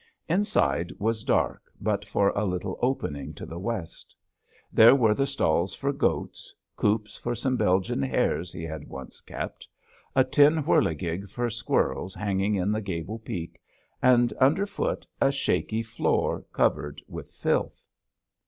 Inside was dark but for a little opening to the west. There were the stalls for goats, coops for some Belgian hares he had once kept, a tin whirligig for squirrels hanging in the gable peak, and under foot a shaky floor covered with filth.